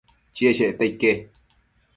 cheshecta ique